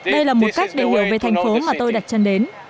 đây là một cách để hiểu về thành phố mà tôi đặt chân đến